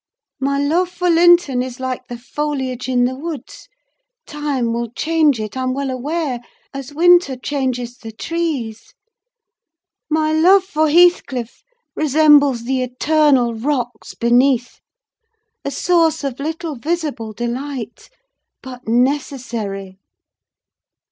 My love for Linton is like the foliage in the woods: time will change it, I'm well aware, as winter changes the trees. My love for Heathcliff resembles the eternal rocks beneath: a source of little visible delight, but necessary.